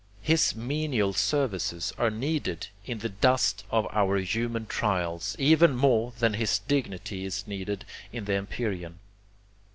His menial services are needed in the dust of our human trials, even more than his dignity is needed in the empyrean.